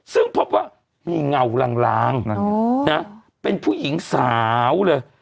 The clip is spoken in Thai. ซึ่งพบว่ามีเงาลางเป็นผู้หญิงสาวเลย